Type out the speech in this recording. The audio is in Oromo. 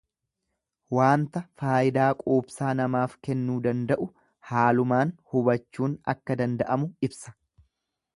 Waanta faayidaa quubsaa namaaf kennuu danda'u haalumaan hubachuun akka danda'amu ibsa.